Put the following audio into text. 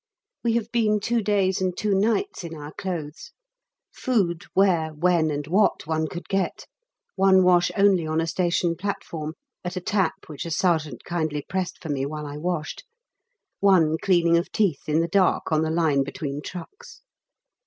We have been two days and two nights in our clothes; food where, when, and what one could get; one wash only on a station platform at a tap which a sergeant kindly pressed for me while I washed! one cleaning of teeth in the dark on the line between trucks.